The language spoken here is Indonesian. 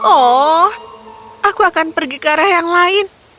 oh aku akan pergi ke arah yang lain